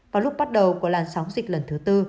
vào lúc bắt đầu của làn sóng dịch lần thứ tư